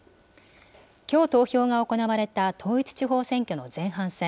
きょう投票が行われた統一地方選挙の前半戦。